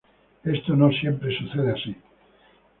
Esto no siempre sucede así.